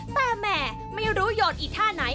แต่แหมไม่รู้โยนอีกท่าไหน